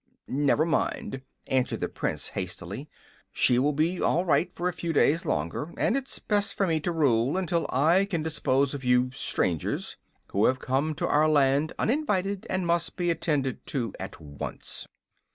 "Never mind," answered the Prince, hastily, "she will be all right for a few days longer, and it is best for me to rule until I can dispose of you strangers, who have come to our land uninvited and must be attended to at once."